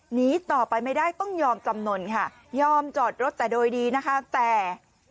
หนีต่อไปไม่ได้ต้องยอมจำนวนค่ะยอมจอดรถแต่โดยดีนะคะแต่